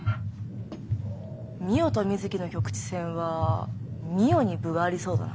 みよと水木の局地戦はみよに分がありそうだな。